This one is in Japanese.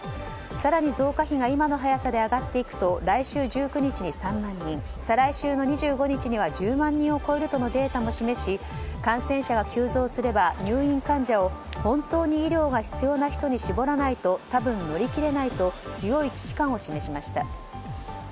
更に増加比が今の速度で上がっていくと来週１９日に３万人再来週の２５日には１０万人を超えるとのデータも示し感染者が急増すれば入院患者を本当に医療が必要な人に絞らないと多分乗り切れないと強い危機感を示しました。